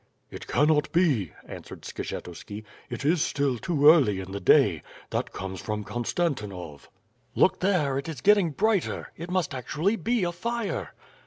"It cannot be," answered Skshetuski, "it is still too early in the day. That comes from Konstantinov." "Look there, it is getting brighter. It must actually be a fire."